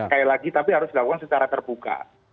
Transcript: sekali lagi tapi harus dilakukan secara terbuka